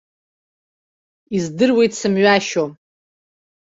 Издыруеит сымҩашьо.